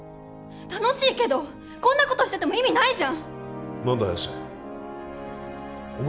楽しいけどこんなことしてても意味ないじゃん何だ早瀬お前